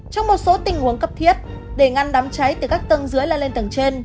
trong một số tình huống cấp thiết để ngăn đám cháy từ các tầng dưới